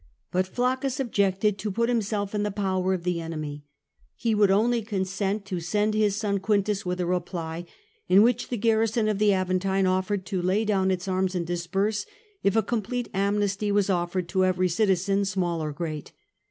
But Flaccus objected to put himself in the power of the enemy. He would only consent to send his son Quintus with a reply, in which the garrison of the Aventine offered to lay down its arms and disperse, if a complete amnesty was offered to every citizen, small or great.